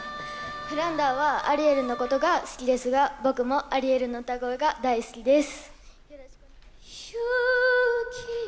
フランダーはアリエルのことが好きですが、僕もアリエルの歌声が大好きです。